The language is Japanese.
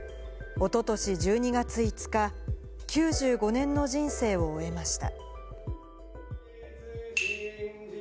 おととし１２月５日、９５年の人生を終えました。